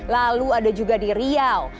lalu ada juga di riau